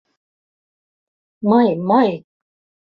— Мый... мый...